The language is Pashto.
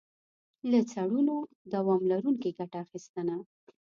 له څړونو دوام لرونکي ګټه اخیستنه.